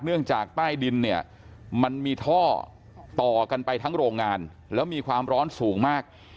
เนื่องจากใต้ดินเนี่ยมันมีท่อต่อกันไปทั้งโรงงานแล้วมีความร้อนสูงมาก